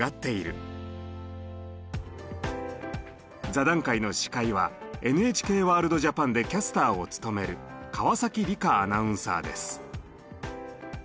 座談会の司会はＮＨＫＷＯＲＬＤＪＡＰＡＮでキャスターを務める川理加アナウンサーです。